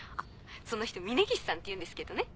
その人峰岸さんっていうんですけどね。